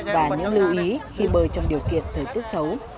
và những lưu ý khi bơi trong điều kiện thời tiết xấu